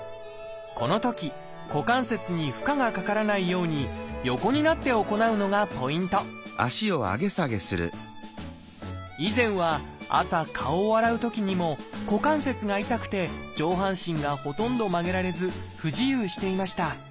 このとき股関節に負荷がかからないように以前は朝顔を洗うときにも股関節が痛くて上半身がほとんど曲げられず不自由していました。